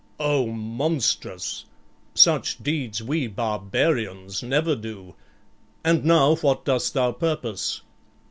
"O monstrous! Such deeds we barbarians never do. And now what dost thou purpose?"